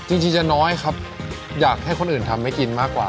จริงจะน้อยครับอยากให้คนอื่นทำให้กินมากกว่า